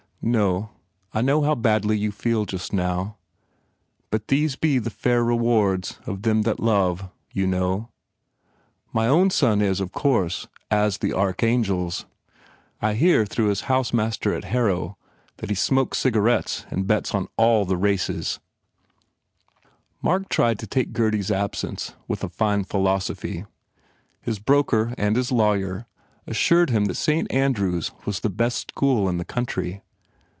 No, I know how badly you feel, just now/ But these be the fair rewards of them that love, you know? My own son is, of course, as the archangels. I hear through his Housemaster at Harrow that he cigarettes and bets on all the races." 82 PENALTIES Mark tried to take Gurdf* ifrffTtrr with a fine philosophy. His broker and his lawyer assured him that Saint Andrew s was the best school in the country.